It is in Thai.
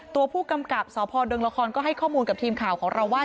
ตัวผู้กำกับสพดงละครก็ให้ข้อมูลกับทีมข่าวของเราว่า